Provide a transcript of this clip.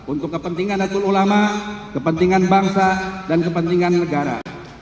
untuk kepentingan natul ulama kepentingan bangsa dan kepentingan negara